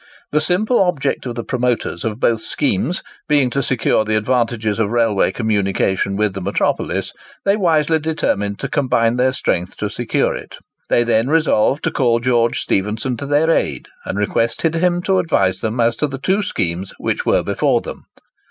The simple object of the promoters of both schemes being to secure the advantages of railway communication with the metropolis, they wisely determined to combine their strength to secure it. They then resolved to call George Stephenson to their aid, and requested him to advise them as to the two schemes which were before them.